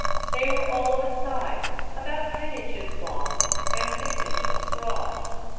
They were all of a size, about ten inches long and six inches broad.